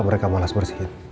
mereka malas bersihin